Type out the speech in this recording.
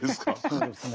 そうですね。